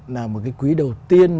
là một cái quý đầu tiên